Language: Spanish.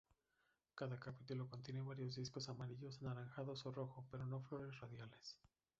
Cada capítulo contiene varios discos amarillos, anaranjados o rojos, pero no flores radiales.